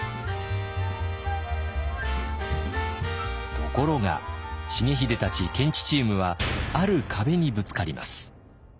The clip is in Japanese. ところが重秀たち検地チームはある壁にぶつかります。